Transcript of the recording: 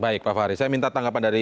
baik pak fahri saya minta tanggapan dari